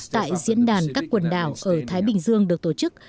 tại diễn đàn các quần đảo ở thái bình dương được tổ chức